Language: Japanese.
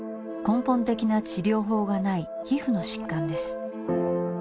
根本的な治療法がない皮膚の疾患です。